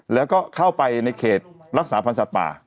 แล้วก็เข้าไปในเขตรักษาพันธ์สัตว์ป่า